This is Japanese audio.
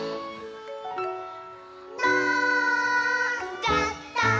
「のーんじゃった」